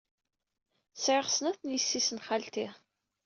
Sɛiɣ snat n yessi-s n xalti.